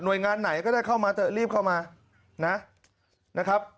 โดยงานไหนก็ได้เข้ามาเถอะรีบเข้ามานะครับ